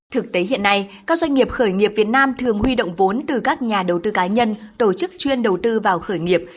thực tế hiện nay các doanh nghiệp khởi nghiệp việt nam thường huy động vốn từ các nhà đầu tư cá nhân tổ chức chuyên đầu tư vào khởi nghiệp